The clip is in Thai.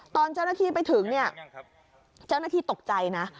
ตอนเจ้าหน้าที่ไปถึงเนี่ยเจ้าหน้าที่ตกใจนะ